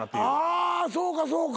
あそうかそうか。